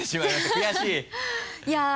悔しい？